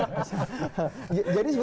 jadi ini masalah prinsipil